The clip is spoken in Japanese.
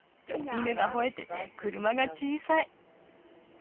犬がほえてて車が小さい。